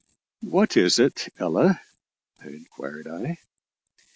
"What is it, Ella?" inquired I.